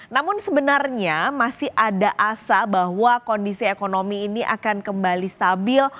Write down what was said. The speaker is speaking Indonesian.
namun sebenarnya masih ada asa bahwa kondisi ekonomi ini akan kembali stabil